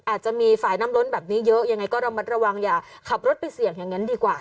อาจจะมีฝ่ายน้ำล้นแบบนี้เยอะยังไงก็ระมัดระวังอย่าขับรถไปเสี่ยงอย่างนั้นดีกว่า